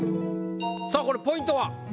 さあこれポイントは？